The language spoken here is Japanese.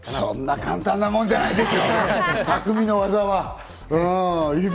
そんな簡単なものじゃないでしょ！